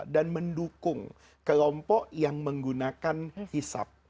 dan mendukung kelompok yang menggunakan hisab